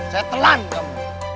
saya telan kamu